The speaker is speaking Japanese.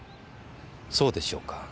そうでしょうか？